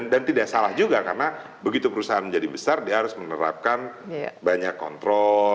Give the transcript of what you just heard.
dan tidak salah juga karena begitu perusahaan menjadi besar dia harus menerapkan banyak kontrol